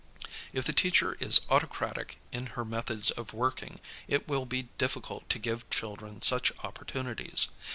If the teacher is autocratic in her methods of working, it will be difficult to give children such opportunities.